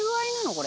これ。